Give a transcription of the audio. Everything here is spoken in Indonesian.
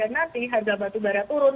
nanti harga batubara turun